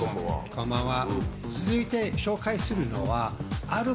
こんばんは。